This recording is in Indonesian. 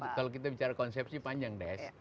kalau kita bicara konsepsi panjang des